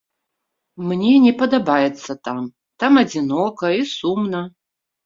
Мне не падабаецца там, там адзінока і сумна.